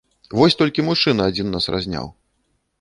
Вось толькі мужчына адзін нас разняў.